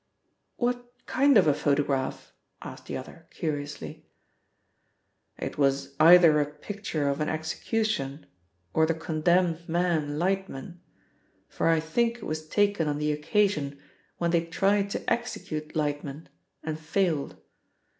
"What kind of a photograph?" asked the other curiously. "It was either a picture of an execution or the condemned man Lightman, for I think it was taken on the occasion when they tried to execute Lightman and failed.